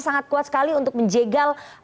sangat kuat sekali untuk menjegal